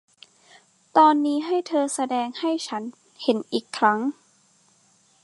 ตอนนี้ให้เธอแสดงให้ฉันเห็นอีกครั้ง